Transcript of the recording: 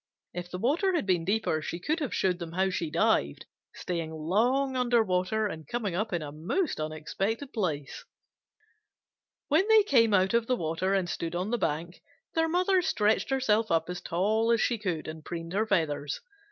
If the water had been deeper, she could have showed them how she dived, staying long under water and coming up in a most unexpected place. When they came out of the water and stood on the bank, their mother stretched herself up as tall as she could and preened her feathers.